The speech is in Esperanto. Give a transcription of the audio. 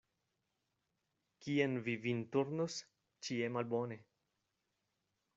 Kien vi vin turnos, ĉie malbone.